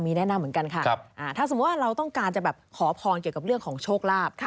แนะนำเหมือนกันค่ะถ้าสมมุติว่าเราต้องการจะแบบขอพรเกี่ยวกับเรื่องของโชคลาภ